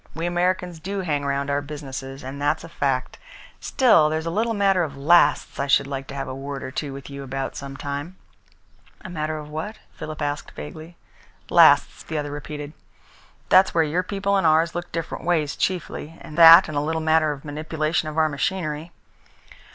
We Americans do hang round our businesses, and that's a fact. Still, there's a little matter of lasts I should like to have a word or two with you about some time." "A little matter of what?" Philip asked vaguely. "Lasts," the other repeated. "That's where your people and ours look different ways chiefly, that and a little matter of manipulation of our machinery."